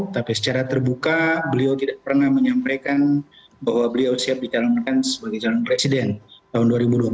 tapi secara terbuka beliau tidak pernah menyampaikan bahwa beliau siap dicalonkan sebagai calon presiden tahun dua ribu dua puluh empat